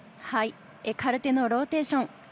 エカルテのローテーション。